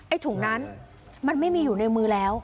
ถุงนั้นมันไม่มีอยู่ในมือแล้ว